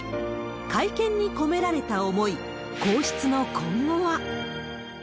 会見に込められた思い、皇室の今後は。